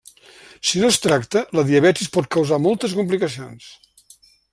Si no es tracta, la diabetis pot causar moltes complicacions.